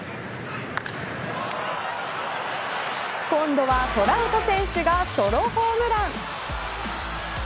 今度はトラウト選手がソロホームラン。